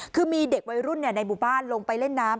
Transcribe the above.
คือมีเด็กวัยรุ่นในหมู่บ้านลงไปเล่นน้ำ